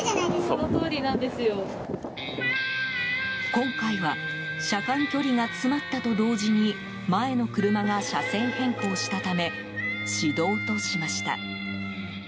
今回は車間距離が詰まったと同時に前の車が車線変更したため指導としました。